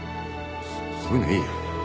そそういうのいいよ。